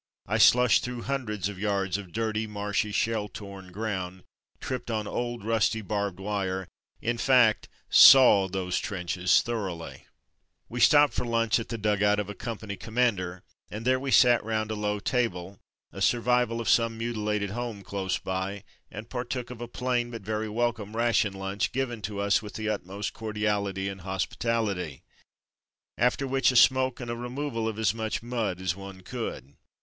I slushed through hundreds of yards of dirty, marshy, shell torn ground, tripped on old rusty barbed wire, in fact "saw" those trenches thoroughly. We 172 From Mud to Mufti stopped for lunch at the dugout of a com pany commander, and there we sat rouna a low table — a survival of some mutilated home close by, and partook of a plain but very welcome ration lunch, given to us with the utmost cordiality and hospitality; after which a smoke, and a removal of as much mud as one could.